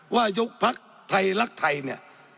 ว่ายุคพรรคไทยรักไทยเนี่ย